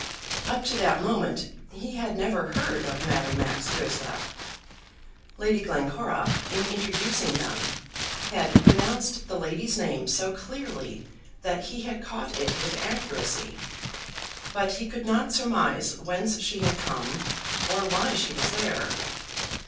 Up to that moment he had never heard of Madame Max Goesler. Lady Glencora, in introducing them, had pronounced the lady's name so clearly that he had caught it with accuracy, but he could not surmise whence she had come, or why she was there.